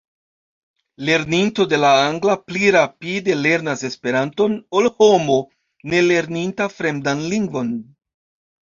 Lerninto de la angla pli rapide lernas Esperanton ol homo ne lerninta fremdan lingvon.